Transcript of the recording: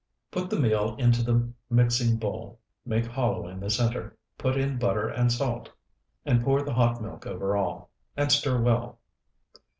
Put the meal into the mixing bowl, make hollow in the center, put in butter and salt, and pour the hot milk over all, and stir well.